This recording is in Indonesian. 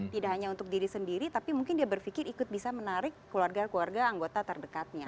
tidak hanya untuk diri sendiri tapi mungkin dia berpikir ikut bisa menarik keluarga keluarga anggota terdekatnya